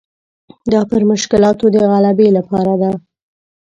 دا پر مشکلاتو د غلبې لپاره ده.